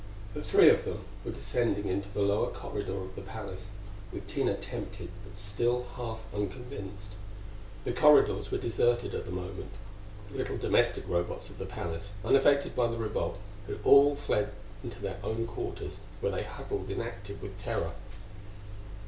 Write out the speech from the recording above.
The three of them were descending into the lower corridor of the palace, with Tina tempted but still half unconvinced. The corridors were deserted at the moment. The little domestic Robots of the palace, unaffected by the revolt, had all fled into their own quarters, where they huddled inactive with terror.